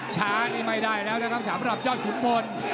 ช้านี่ไม่ได้แล้วนะครับสำหรับยอดขุนพล